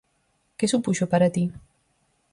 Que supuxo para ti?